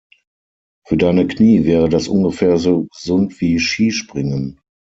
Für deine Knie wäre das ungefähr so gesund wie Skispringen.